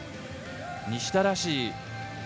西田らしい。